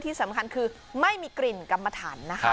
ที่สำคัญคือไม่มีกลิ่นกรรมถัน